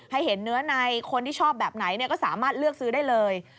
ให้เห็นเนื้อในคนที่ชอบแบบไหนก็สามารถเลือกซื้อได้เลย